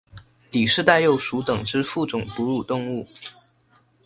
里氏袋鼬属等之数种哺乳动物。